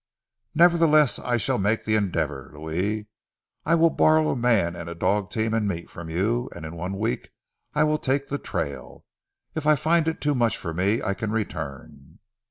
"Nevertheless, I shall make the endeavour, Louis! I will borrow a man and a dog team and meat from you, and in one week I will take the trail. If I find it too much for me, I can return."